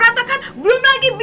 ya lo cabut deh